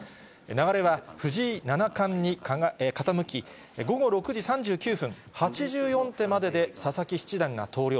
流れは藤井七冠に傾き、午後６時３９分、８４手までで佐々木七段が投了。